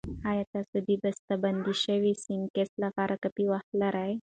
ایا تاسو د بستهبندي شويو سنکس لپاره کافي وخت لرئ؟